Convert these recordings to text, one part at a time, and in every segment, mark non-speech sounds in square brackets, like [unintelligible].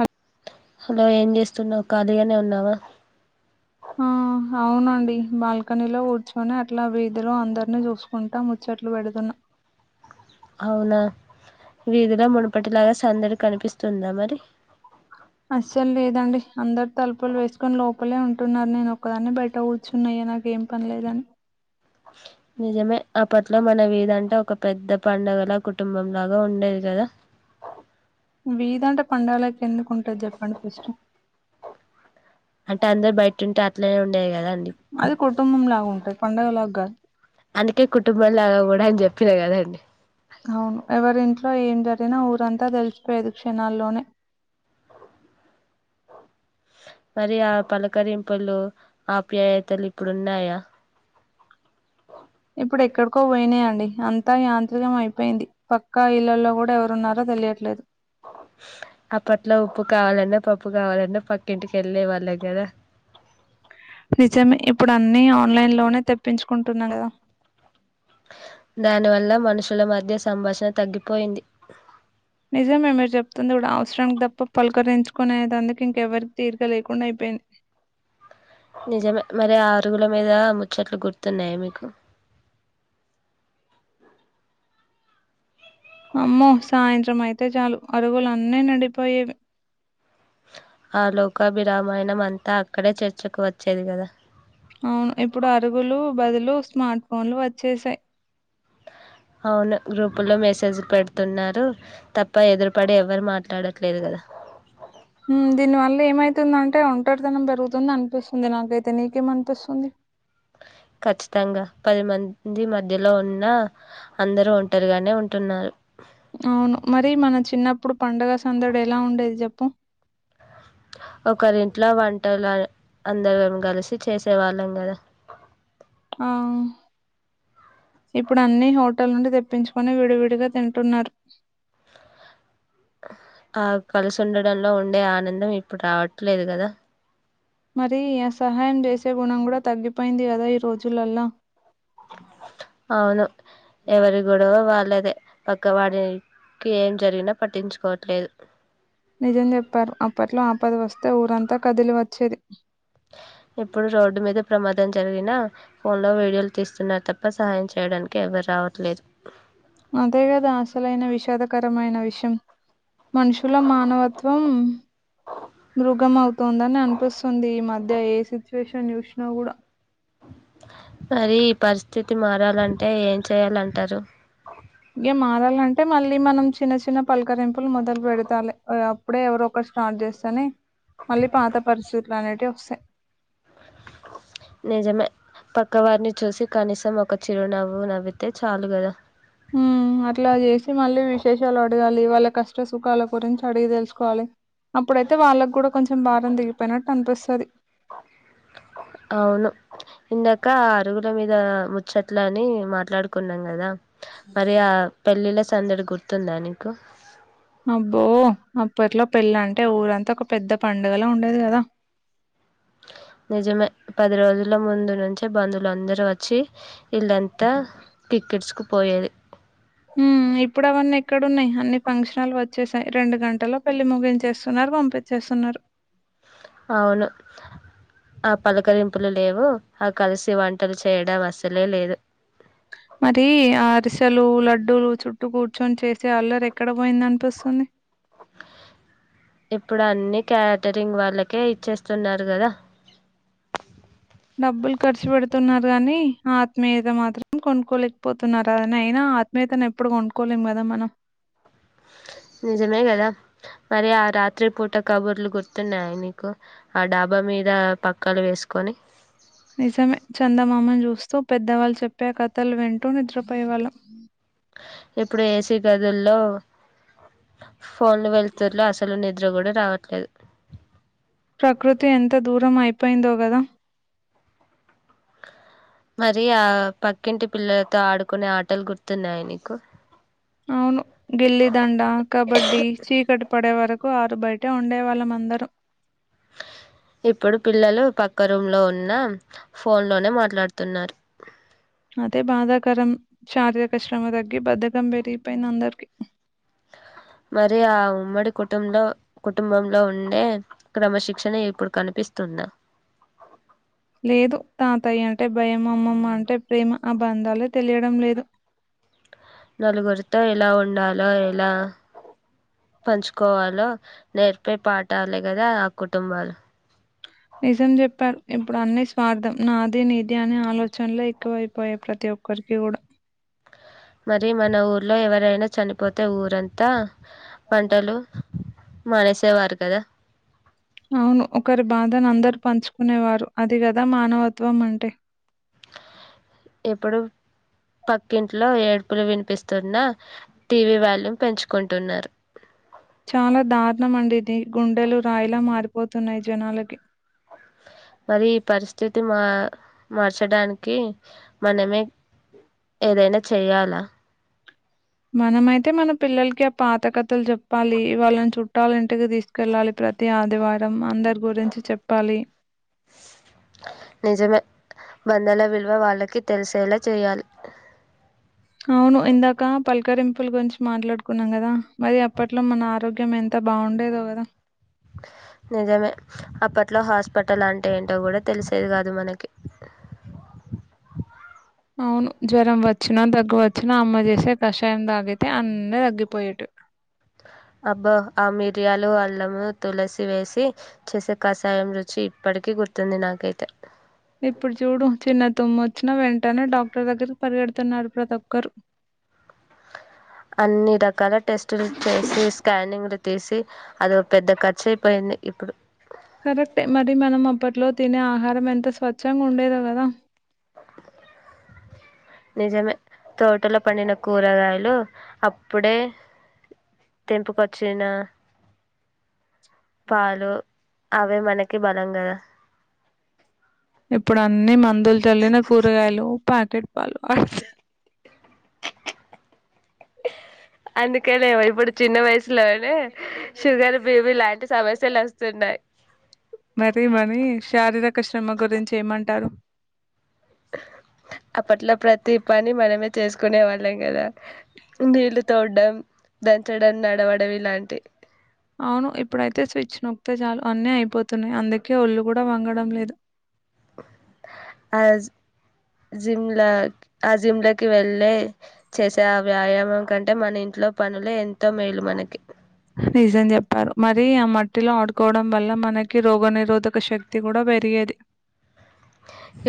అ లో ఏం చేస్తున్నావు్ ఖాళీగానే ఉన్నావా ఆ అవునండి బాల్కనీలో కూర్చొని అట్లా బీధరు అందరిని చూసుకుంటా ముచ్చట్లు పెడుతున్నాం అవునా వీధిలో ముడిపటిలాగా సందడి కనిపిస్తుందా మరి అస్సలు లేదండి అందరు తలుపులు వేసుకొని లోపలే ఉంటున్నారు నేను ఒక్కదాన్ని బయట కూర్చున్నాయ నాక ఏం పనిలేదని నిజమే అప్పట్లో మన వదంటే ఒక పెద్ద పడుగలా కుటుంబంలాగా ఉండేది కదా వీదంట పండాలకి ఎందుకుంటుది చెప్పండి ఫస్ట్ అంటే అందరు బయట ఉంటే అట్లనే ఉండేయి కదా అండి అది కుటుంబం లాగా ఉంటది పండగలాగా కాదు అందుకే కుటుంబంలాగా కూడా అని చెప్ప తినే కదండి అవును ఎవరింట్లో ఏం జరిగినా ఊరంతా తెలిచిపోయదు క్షణాల్లోనే మరి ఆ పలకరింపులు ఆప్యాయతలు ఇప్పుడు న్నాయా ఒ ఇప్పుడు ఎక్కడికో బొయినయండి. అంతా యాంత్రికం అయిపోయింది. పక్కా ఇళ్లల్లో గుడా ఎవరున్నారో దెలియట్లేదు. అప్పట్లో ఉప్పు కావాలన్నా, పప్పు ప్పు కావాలన్న పక్కింటికి ఎళ్ళేవాళ్ళం కదా. నిజమే. ఇప్పుడు అన్నీ ఆన్లైన్ లోనె తెప్ పించుకుంటున్నా కదా. దానివల్ల మనుషుల మధ్య సంభాషణ తగ్గిపోయింది. నిజమే మీరు చెప్తున్రు. అవసరంకు తప్ప, పలకరించుకునేతందుకు ఇంకెవరికి తీరిక లేకుండా అయిపోయింది. ఒ నిజమే. మరి, ఆ అరుగుల మీదా ముచ్చట్లు గుర్తున్నయ మీకు? అమ్మో! సాయంత్రం అయితే జాలు, అరుగులన్ని నిండిపోయేవి. ఆ లోకాభిరామాయణం అంతా అక్కడే చర్చకు వచ్చేది గదా. అవును, ఇప్పుడు అరుగులూ బదులు స్మార్ట్ ఫోన్లు వచ్చేశాయి. అవును, గ్రూపు లో మెసేజ్ పెడుతున్నారు తప్ప, ఎదురు పడి ఎవరు మాట్లాడట్లేదు గదా. ఊఁ, దీని వల్ల ఏమైతుందంటే ఒంటరితనం బెరుగుతుందనిపిస్తుంది నాకైతే. నీకేమ అనిపిస్తుంది? ఖచ్చితంగా, పది మంది మధ్యలో ఉన్న అందరు ఒంటరిగానే ఉంట్ టున్నారు. అవును. మరీ మన చిన్నప్పుడు పండుగ సందడి ఎలా ఉండేది? జెప్పు. ఒకరింట్లో వన్ టలని అందరం గలిసి, చేసే వాళ్ళంగదా. ఆఁ ఇప్పుడు, అన్నీ హోటల్ నుండి దెప్పించుకొని, విడివిడిగ తింటున్నారు. ఆ కలిసి ఉండడంలో ఉండే ఆనందం, ఇప్పుడు రావట్లేదు గదా. మరీ య సహాయం చేసే గుణం గుడా తగ్గిపోయింది గదా ఈ రోజులల్ల. అవును, ఎవరి గొడవ వాళ్ళదే. పక్కవాడేయ్ ఏం జరిగిన పట్టించు కోవట్లేదు. నిజం జెప్పారు. అప్పట్లో ఆ పతి వస్తే ఊరంతా కదిలి వచ్చేది. ద్ధం జరిగినా, ఫోన్ లో వీడియోలు తీస్తున్నారు తప్ప, సహాయం చేయడానికి ఎవరు రావట్లేదు. అంతే గదా, అసలైన విషాదకరమైన విషయం. మనుషుల మానవత్వం, మృగం అవుతుందని అనిపిస్తుంది ఈ మధ్య. ఇగ ఏ సిచ్యువేషన్ జూసినా గుడా మరీ ఈ పరిస్థితి మారాలంటే ఏం చేయాలంటారు? ఇగ మారాలంటే, మళ్ళీ మనం చిన్న చిన్న పలకరింపులు మొదలు పెడతాలె. అప్పుడే ఎవరు ఒకరు స్టార్ట్ జేస్తేనే, మళ్ళీ పాత పరిస్థితులు అనేటివి ఒస్తయి. నిజమే పక్కవారిని చూసి, కనీసం ఒక చిరునవ్వు నవ్వితే చాలు గద. ఉ అట్లా చేసి మళ్ళీ విశేషాలు అడగాలి. అదే వాళ్ళ కష్ట సుఖాల గురించి అడిగి తెలుసుకోవాలి. అప్పుడైతే వాళ్ళకు కూడా కొంచెం కొంచం బారం దిగిపోయినట్టు అనిపిస్తది అవును ఇందాక అరుగుల మీద్ ఇ ముచ్చట్ల అని మాట్లాడుకున్నాం గదా మరి ఆ పెళ్ళిళ్ళ సందడి గుర్తుందా నీకు అబ్బో అప్పట్లో పెళ్ళ అంటే ఊరంతా ఒక పెద్ద పడుగలా ఉండేది గదా నిజమే పది రోజుల ముందు నుంచి బంధువులు అందరూ వచ్చి ఇల్లంతా టికెట్స్ కు పోయేది ఊ ఇప్పుడు అవన్ని ఇక్కడ ఉన్నాయి అన్ని ఫంక్షనల్ లు వచ్చేసాయి రెండు గంటల్లో పెళ్లి ముగించేస్తున్నారు పంపించేస్తున్నారు అవును ఆ పలకరింపులు లేవు ఆ కలిసి వంటలు చేయడం అసలే లేదు మరి అరిసెలు లడ్డూలు చుట్టూ కూర్చొని చేసే అల్లరి ఎక్కడ పోయింది అనిపిస్తుంది ఇప్పుడు అన్ని క్యాటరింగ్ వాళ్ళకే ఇచ్చేస్తున్నారు గదా డబ్బులు ఖర్చు పెడుతున్నారు గానీ ఆత్మీయత మాత్రం కొనుకోలేకపోతున్నారు అదని అయినా ఆత్మీయతను ఎప్పుడు కొనుకోలేం గాదా మనం నిజమేగదా మరి ఆ రాత్రి పూట కబుర్లు గుర్తున్నాయ నీకు ఆ డాబా మీద పక్కలు వేసుకొని సో పెద్దవాళ్ళు చెప్పే కథలు వింటూ నిద్రపోయేవాళ్ళం ఇప్పుడు ఏసీ గదుల్లో ఫోన్లు వెల్తురు లో అసలు ని నిద్ర కూడా రావట్లేదు ప్రకృతి ఎంత దూరం అయిపో పోయిందో కదా మరి ఆ పక్కింటి పిల్లలతో ఆడుకునే ఆటలు గుర్తున్నాయ నీకు అవును గిల్లి దండ కబడ్డీ చీకటి పడే వరకు ఆరు బయటే ఉండేవాళ్ళమందరూ ఇప్పుడు పిల్లలు పక్క రూమ్ లో ఉన్న ఫోన్ లోనే మాట్లాడుతున్నారు అదే బాధాకరం చారీరక శ్రమ తగ్గి బద్ధకం పెరిగిపోయింది అందరికిీ మరి ఆ ఉమ్మడి కుటుంలో కుటుంబంలో ఉండే క్రమశిక్షణ ఇప్పుడు కనిపిస్తుంద లేదు తాతయ్యే టే భయం మా అమ్మమ్మ అంటే ప్రేమ ఆ బంధాలే తెలియడం లేదు నలుగురితో ఎలా ఉండాలో ఎలా పంచుకోవాలో నేర్పే పా ట్టాలి కదా ఆ కుటుంబాలు నిజం చెప్పారు ఇప్పుడు అన్ని స్వార్థం నాది నిధి అనే ఆలోచనలే ఎక్కువైపోయాయి ప్రతి ఒక్కరికి కూడా మరి మన ఊర్లో ఎవరైనా చనిపోతే ఊరంతా వంటలు మానేసేవారు కదా అవును ఒకరి బాధను అందరుూ పంచుకునేవారు అది కదా మానవత్వం అంటే ఇప్పుడు పక్కింట్లో ఏడుపులు వినిపిస్తున్నా టీ వీ వాల్యూమ్ పెంచుకుంటున్నారు చాలా దారుణమండి ఇది గుండెలు రాయిలా మారిపోతున్నాయి జనాలకి మరి ఈ పరిస్థితి మా మార్చడానికి మనమే ఏదైనా చెయ్యాలా మనమైతే మన పిల్లలకి ఆ పాత కథలు చెప్పాలి వాళ్ళని చుట్టాల ఇంటికి తీసుకెళ్ళాలి ప్రతి ఆదివారం అందరి గురించి చెప్పాలి నిజమే బందాల విల్వ వాళ్ళకి తెలిసేల చెయ్యాలి అవును ఇందాక పలకరింపుల గురించి మాట్లాడుకున్నాం కదా మరి అప్పట్లో మన ఆరోగ్యం ఎంత బాగుండేదో కదా నిజమే అప్పట్లో హాస్పిటల్ అంటే ఏంటో కూడా తెలిసేది కాదు మనకి అవును జ్వరం వచ్చినా దగ్గువచ్చినా అమ్మ చేసే కషాయం తాగితే అన్న తగ్గిపోయేటివి అబ్బో ఆ మిరియాలు అల్లము తులసి వేసి చేసే కషాయం రుచి ఇప్పటికీ గుర్తుంది నాకైతే వచ్చిన వెంటనే డాక్టర్ దగ్గరికి పరిగెడుతున్నారు ప్రతొక్కరు అన్ని రకాల టెస్టులు చేసి స్కానింగ్ తెసే అద పెద్ద కచ్చే పోయింది ఇప్పుడు కరెక్ట్టె మరి మనం అప్పట్లో తినే ఆహారం ఎంత స్వచ్ఛంగా ఉండేదో కదా నిజమే తోటలో పడిిన కూరగాయలు అప్పుడే తెంపూకొచ్చిన పాలు అవే మనకి బలం కదా ఇప్పుడు అన్ని మందులు చల్లిన కూరగాయలు పా్యాకెట్ పాలు వాడ అందుకలి ఇప్పుడు చిన్న వయసు లోనే షుగర్ బి పి లాంటి సమస్యలు వ చెన్నై మరి మనీ శారీరక శ్రమ గురించి ఏమంటారు అప్పట్లో ప్రతి పని మనమే చేసుకునే వాళ్ళం కదా ఇంగ ఇల్లు తొడం దంచడం నడవడం ఇలాంటి అవును ఇప్పుడైతే స్విచ్ నొక్తే చాలు అనీ అయిపోతున్నాయి అందుకే ఒళ్లుు కూడా వంగడం లేదు ఆ జిమ్ల ఆ జిమ్లకి వెళ్ళే చేసే ఆ వ్యాయామం దుకంటే మన ఇంట్లో పనులే ఎంతో మేలు మనకి నిజం చెప్పారు మరి ఆ మట్టిలో ఆడుకోవడం వల్ల మనకి రోగనిరోధక శక్తి కూడా పెరిగేది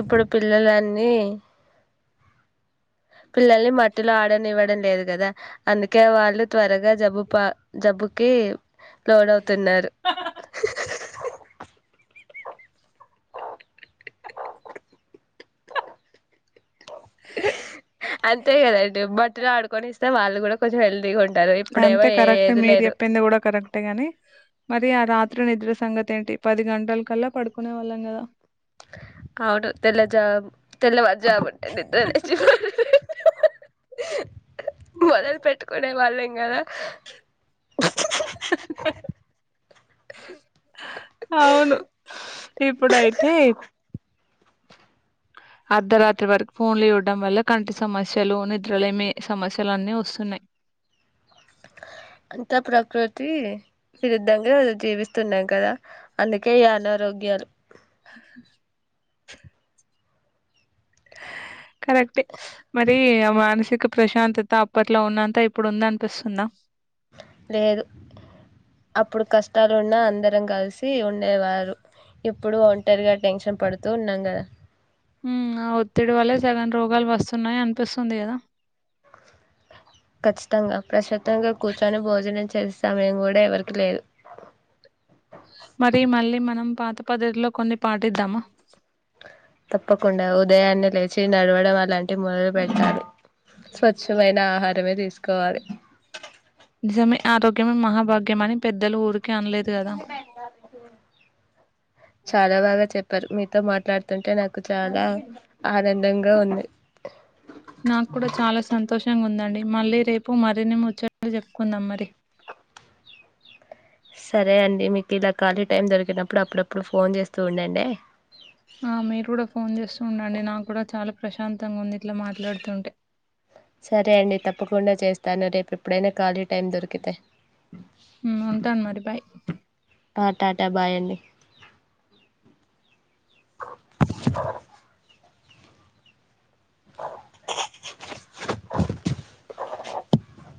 ఇప్పుడు పిల్లలన్నీ పిల్లల్ని మట్టిలో ఆడని ఇవ్వడం లేదు కదా అందుకే వాళ్ళు త్వరగా జబ్బు పా జబ్బుకి లోను అవుతున్నారు అంతే కదండి మట్టిలో ఆడుకొని ఇస్తే వాళ్ళు కూడా కొంచెం హెల్తీగా ఉంటారు ఇప్పుడేమో అంతే కరెక్ట్ ఏది మీరు లేదు చెప్పింది కూడా కరెక్టే గాని మరి ఆ రాత్రి నిద్ర సంగతి ఏంటి పది గంటల కల్లా పడుకునే వాళ్ళం కదా అవును తెల్లజా తెల్లవారు జమంటే నిద్దనేచ్చ [unintelligible] మొదలు పెట్టుకునే వాళ్లేన్ గదా హ హ అవును ఇప్పుడు అయితే అర్ధరాత్రి వరకు ఫోన్లు చూడం వల్ల కంటి సమస్యలు నిద్రలేమి సమస్యలు అన్నీ వస్తున్నాయి అంత ప్రకృతి విరుద్దంగా అ జీవిస్త స్తున్నాయి కదా అందుకే ఈ అనారోగ్యాలు [inaudible] కరెక్టే మరి ఆ మానసిక ప్రశాంతత అప్పట్లో ఉన్నంత ఇప్పుడు ఉందంపిస్తుందా లేదు అప్పుడు కష్టాలున్నా అందరు కలిసి ఉండేవారు ఇప్పుడు ఒంటరిగా టెన్షన్ పడుతూ ఉన్నాం కదా హ్మ్ అ ఒత్తిడి వల్లే సగం రోగాలు వస్తున్నాయి అనిపిస్తుంది కదా ఖచ్చితంగా ప్రస తంగా కూర్చొని భోజనం చేస్ సమయంకూడ ఎవర్కి లేదు మరి మళ్ళీ మనం పాత పదేట్లో కొన్ని పాటిదామా తప్పకుండా ఉదయాన్నే లేచి నడవడం అలాంటి మొదల్పేటలి స్వచ్ఛమైన ఆహారమే తీసు తీసుకోవాలి నిజమే ఆరోగ్యమే మహాభాగ్యం మనకి పెద్దలు ఊరికే అనలేదు గదా! చాలా బాగా చెప్పారు మీ మాట్లాడుతుంటే నాకు నాకు చాలా ఆనందంగా ఉంది అండి మళ్ళీ రేపు మరిన్ని ముచ్చట్లు చెప్పుకుందాం మరి సరే అండి మీకు ఇలా కాళీ టైం దొరికినప్పుడు అప్పుడప్పుడు ఫోన్ చేస్తూ ఉండండే ఆ! ప్రశాంతంగా ఉంది సరే అండి తప్పకుండా చేస్తాను రేపు ఎప్పుడైనా ఖాళీ టైం దొరికితే ఉంటాను మరి బాయ్ ఆ టాటా బాయండి [inaudible]